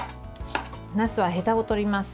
なすはへたを取ります。